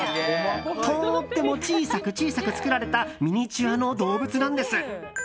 とっても小さく小さく作られたミニチュアの動物なんです。